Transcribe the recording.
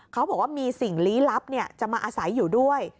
เขาบอกว่ามีสิ่งลี้ลับจะมาอาศัยอยู่ด้วย